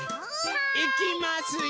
いきますよ！